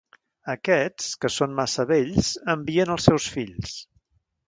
Aquests, que són massa vells, envien els seus fills.